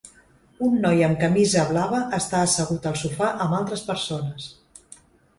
Un noi amb camisa blava està assegut al sofà amb altres persones.